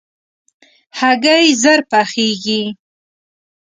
هګۍ ژر پخېږي.